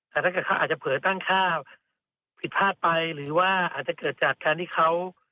แต่ถ้าเกิดเขาอาจจะเผยตั้งค่าผิดพลาดไปหรือว่าอาจจะเกิดจากการที่เขา